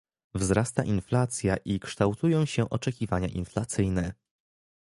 Wzrasta inflacja i kształtują się oczekiwania inflacyjne